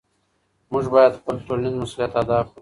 موږ باید خپل ټولنیز مسؤلیت ادا کړو.